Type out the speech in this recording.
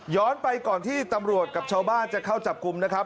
ไปก่อนที่ตำรวจกับชาวบ้านจะเข้าจับกลุ่มนะครับ